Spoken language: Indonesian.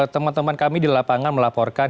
teman teman kami di lapangan melaporkan